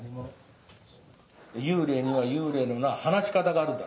幽霊には幽霊のな話し方があるんだ。